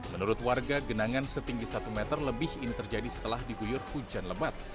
menurut warga genangan setinggi satu meter lebih ini terjadi setelah diguyur hujan lebat